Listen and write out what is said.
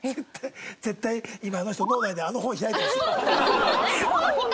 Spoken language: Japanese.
絶対絶対今あの人脳内であの本開いてますよ。